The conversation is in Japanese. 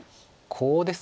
コウです。